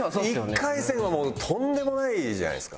１回戦はもうとんでもないじゃないですか。